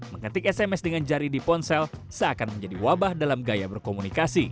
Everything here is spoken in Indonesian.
mengetik sms dengan jari di ponsel seakan menjadi wabah dalam gaya berkomunikasi